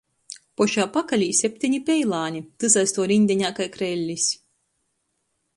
Pošā pakalē septeni peilāni — tys aiz tuo riņdeņā kai krellis.